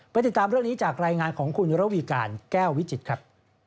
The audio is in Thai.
ติดตามเรื่องนี้จากรายงานของคุณระวีการแก้ววิจิตรครับ